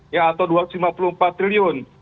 ya atau rp dua ratus lima puluh empat triliun